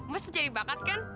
mas mencari bakat kan